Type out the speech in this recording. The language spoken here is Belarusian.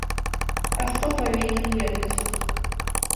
А хто павінен ведаць?